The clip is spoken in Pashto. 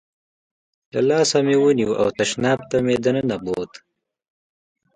له لاسه مې ونیو او تشناب ته مې دننه بوت.